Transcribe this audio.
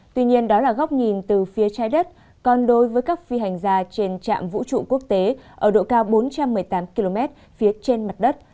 tuy nhiên đó là góc nhìn từ phía trái đất còn đối với các phi hành gia trên trạm vũ trụ quốc tế ở độ cao bốn trăm một mươi tám km phía trên mặt đất